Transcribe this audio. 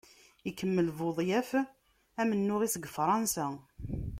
Ikemmel Budyaf amennuɣ-is deg Fransa.